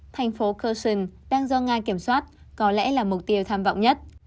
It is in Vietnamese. thành phố kerson đang do nga kiểm soát có lẽ là mục tiêu tham vọng nhất